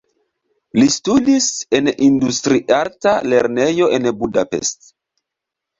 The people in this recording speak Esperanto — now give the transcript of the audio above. Li studis en industriarta lernejo en Budapest.